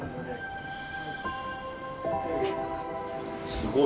・すごい。